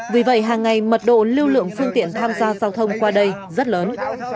vì vậy hàng ngày mật độ lưu lượng phương tiện tham gia giao thông qua đây rất lớn